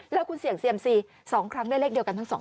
แล้วคุณเสี่ยงเซียมซี๒ครั้งได้เลขเดียวกันทั้ง๒